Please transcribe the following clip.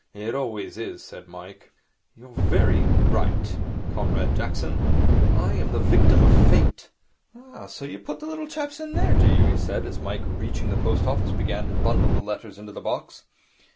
'It always is,' said Mike. 'You are very right, Comrade Jackson. I am the victim of Fate. Ah, so you put the little chaps in there, do you?' he said, as Mike, reaching the post office, began to bundle the letters into the box.